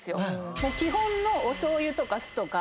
基本のおしょうゆとか酢とか。